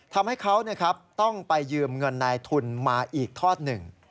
ทำให้เขาต้องไปยืมเงินนายทุนมาอีกทอดหนึ่ง